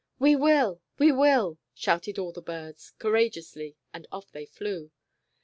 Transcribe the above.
" We will, we will," shouted all the birds, courageously, and off they flew.